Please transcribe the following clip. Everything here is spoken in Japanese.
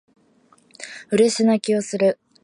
嬉し泣きをする